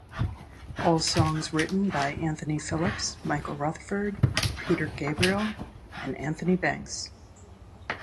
All songs written by Anthony Phillips, Michael Rutherford, Peter Gabriel and Anthony Banks.